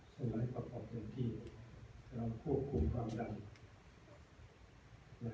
สมัยปรับปรอบเป็นที่ที่เราควบคุมความดัน